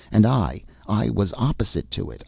and I, I was opposite to it!